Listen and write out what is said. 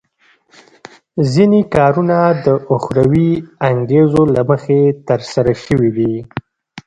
ځینې کارونه د اخروي انګېزو له مخې ترسره شوي دي.